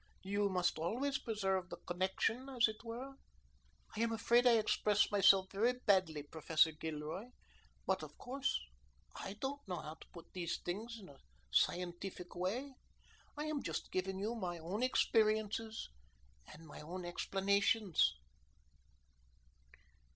You must always preserve the connection, as it were. I am afraid I express myself very badly, Professor Gilroy, but of course I don't know how to put these things in a scientific way. I am just giving you my own experiences and my own explanations."